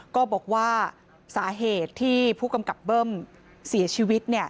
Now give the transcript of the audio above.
ก็บอกว่าสาเหตุที่ผู้กำกับเบิ้มเสียชีวิต